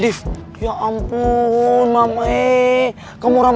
ihh kita punya rambut itu